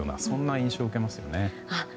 そんな印象を受けますよね。